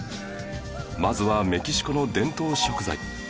まずはメキシコの伝統食材